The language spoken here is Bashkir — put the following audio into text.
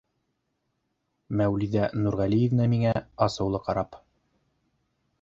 — Мәүлиҙә Нурғәлиевна миңә асыулы ҡарап.